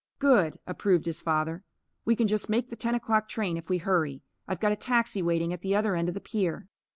"Good!" approved his father. "We can just make the ten o'clock train, if we hurry. I've got a taxi waiting at the other end of the pier."